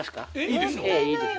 いいですか？